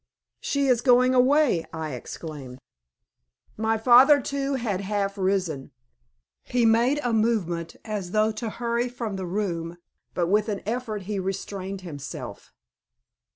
"She is going away!" I exclaimed. My father, too, had half risen. He made a movement as though to hurry from the room, but with an effort he restrained himself.